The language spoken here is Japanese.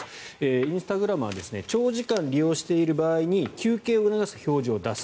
インスタグラムは長時間利用している場合に休憩を促す表示を出す。